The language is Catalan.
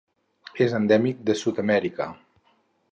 És endèmic de Sud-amèrica.